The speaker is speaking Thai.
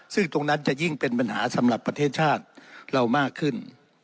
ซึ่งตรงนั้นจะยิ่งเป็นปัญหาสำหรับประเทศชาติเรามากขึ้น